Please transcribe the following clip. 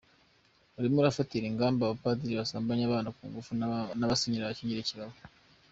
Urimo urafatira ingamba abapadiri basambanya abana ku ngufu n’abasenyeri babakingira ikibaba.